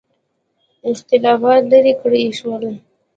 اختلافات لیرې کړل شول.